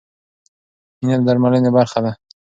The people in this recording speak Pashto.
مینه د درملنې برخه ده.